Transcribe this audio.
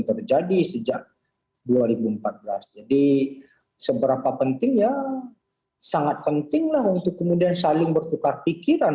terjadi sejak dua ribu empat belas jadi seberapa pentingnya sangat pentinglah untuk kemudian saling bertukar pikiran